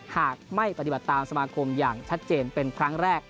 หากไม่ปฏิบัติตามสมาคมอย่างชัดเจนเป็นครั้งแรก